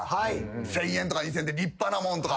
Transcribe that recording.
１，０００円とか２，０００円で立派なもんとか。